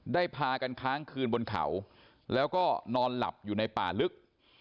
พากันค้างคืนบนเขาแล้วก็นอนหลับอยู่ในป่าลึก